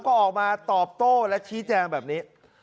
ก็ออกมาตอบโต้และชี้แจงแบบนี้